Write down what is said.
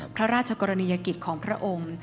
พระราชกรณียกิจของพระองค์